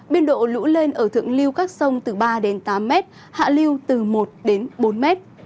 biên độ lũ lên ở thượng lưu các sông từ ba đến tám mét hạ lưu từ một đến bốn mét